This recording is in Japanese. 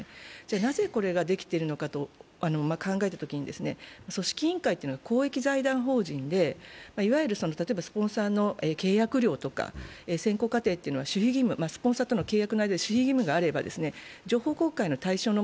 なぜ、これができているのかと考えたときに、組織委員会というのは公益財団法人でいわゆるスポンサーの契約料とか選考過程は、スポンサーとの関係で守秘義務があれば情報公開の対象の